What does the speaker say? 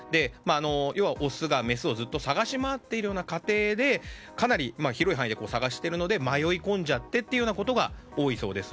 要は、オスがメスをずっと探し回っている過程でかなり広い範囲で探しているので迷い込んじゃってということが多いそうです。